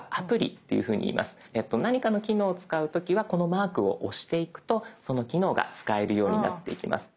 何かの機能を使う時はこのマークを押していくとその機能が使えるようになっていきます。